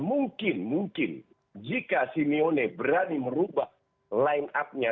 mungkin mungkin jika simeone berani merubah line up nya